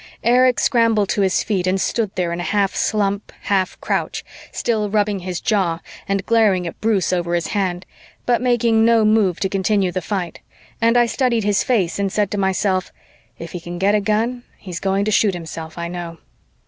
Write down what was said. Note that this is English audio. Erich scrambled to his feet and stood there in a half slump, half crouch, still rubbing his jaw and glaring at Bruce over his hand, but making no move to continue the fight, and I studied his face and said to myself, "If he can get a gun, he's going to shoot himself, I know."